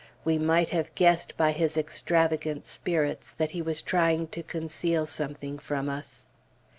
We might have guessed by his extravagant spirits that he was trying to conceal something from us....